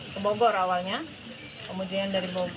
kebobor awalnya kemudian dari bobor